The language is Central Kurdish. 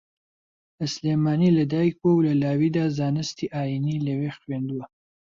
لە سلێمانی لەدایکبووە و لە لاویدا زانستی ئایینی لەوێ خوێندووە